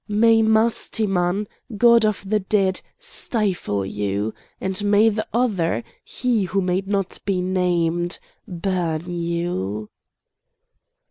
may Mastiman, god of the dead, stifle you! and may the Other—he who may not be named—burn you!"